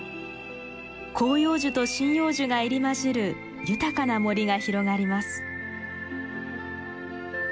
広葉樹と針葉樹が入り交じる豊かな森が広がります。